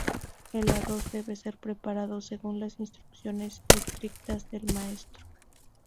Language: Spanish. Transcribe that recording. El arroz debe ser preparado según las instrucciones estrictas del maestro.